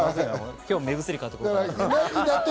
今日、目薬買って。